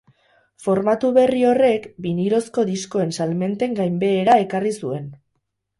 Formatu berri horrek, binilozko diskoen salmenten gainbehera ekarri zuen.